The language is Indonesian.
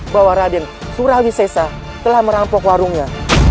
bahwa raden surawi sesa telah merampok warungnya